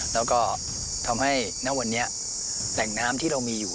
แล้วก็ทำให้ณวันนี้แหล่งน้ำที่เรามีอยู่